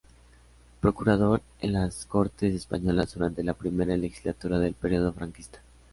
Procurador en las Cortes Españolas durante la primera legislatura del período franquista.